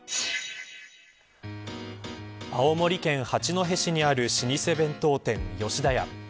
青森県八戸市にある老舗弁当店、吉田屋。